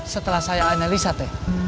setelah saya analisa teh